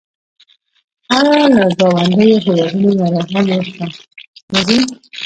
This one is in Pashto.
آیا له ګاونډیو هیوادونو ناروغان ورته نه ځي؟